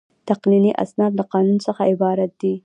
تقنیني اسناد له قانون څخه عبارت دي.